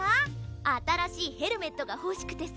あたらしいヘルメットがほしくてさ。